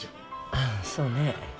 ああそうねえ。